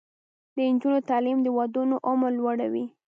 د نجونو تعلیم د ودونو عمر لوړوي.